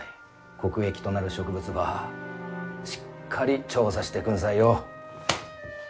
国益となる植物ばしっかり調査してくんさいよ。